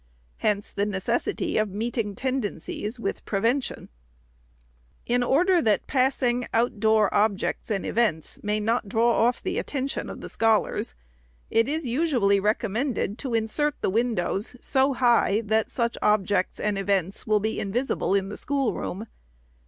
Hence the necessity of meeting tendencies with prevention.* * See Appendix D. ON SCHOOLHOUSES. 473 In order that passing, out door objects and events may not draw off the attention of the scholars, it is usually recommended to insert the windows so high, that such objects and events will be invisible in the schoolroom.